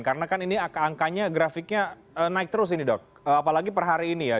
karena kan ini angkanya grafiknya naik terus ini dok apalagi per hari ini ya